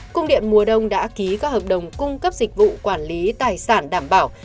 cung điện mùa đông đã ký các hợp đồng cung cấp dịch vụ quản lý tài sản đảm bảo